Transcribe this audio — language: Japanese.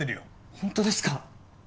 本当ですか！？